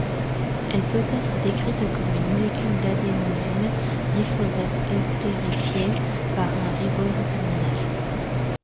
Elle peut être décrite comme une molécule d'adénosine diphosphate estérifiée par un ribose terminal.